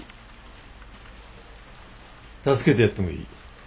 助けてやってもいい。